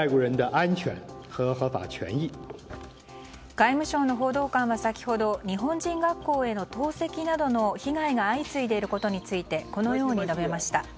外務省の報道官は先ほど日本人学校への投石などの被害が相次いでいることについてこのように述べました。